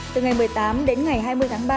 từ ngày một mươi tám đến ngày hai mươi tháng ba